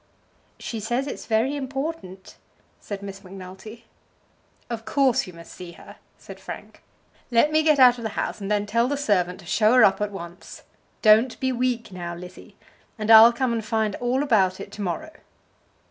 "She says it's very important," said Miss Macnulty. "Of course you must see her," said Frank. "Let me get out of the house, and then tell the servant to show her up at once. Don't be weak now, Lizzie, and I'll come and find out all about it to morrow."